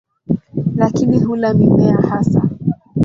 Lakini hula mimea hasa.